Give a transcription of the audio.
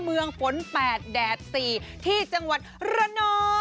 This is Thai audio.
เมืองฝน๘แดด๔ที่จังหวัดระนอง